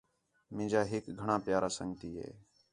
مین٘جا ہِک گھݨاں پیارا سنڳتی ہِے